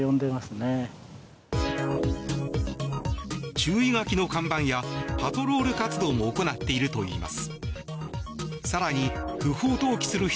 注意書きの看板やパトロール活動も行っているといいます。